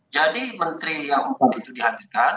jadi menteri yang itu dihadirkan